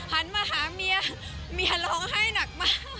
หันมาหาเมียเมียร้องไห้หนักมาก